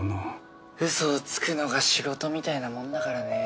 ウソをつくのが仕事みたいなもんだからね。